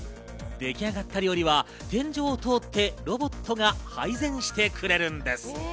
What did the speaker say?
出来上がった料理は天上を通って、ロボットが配膳してくれるんです。